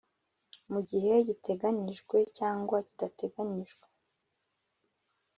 Mu gihe giteganyijwe cyangwa kidateganyijwe